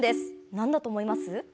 何だと思いますか？